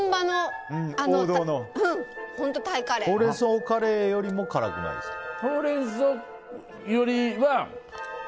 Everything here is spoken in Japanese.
ほうれん草カレーよりも辛くないですか。